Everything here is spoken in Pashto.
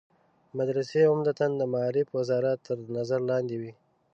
مدرسې عمدتاً د معارف وزارت تر نظر لاندې وي.